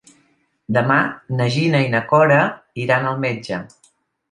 Demà na Gina i na Cora iran al metge.